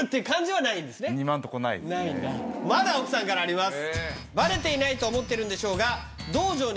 まだ奥さんからあります。